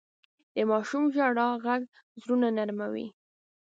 د ماشوم ژړا ږغ زړونه نرموي.